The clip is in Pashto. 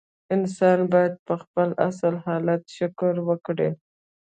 انسان باید په خپل اصلي حالت شکر وکړي.